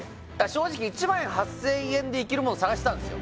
正直１万８０００円でいけるもの探してたんすよ